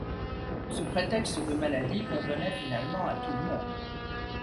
Ce prétexte de maladie convenait finalement à tout le monde.